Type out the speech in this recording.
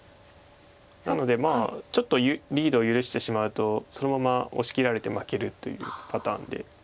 なのでちょっとリードを許してしまうとそのまま押しきられて負けるというパターンで。